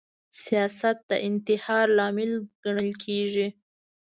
سیاست د انتحار لامل ګڼل کیږي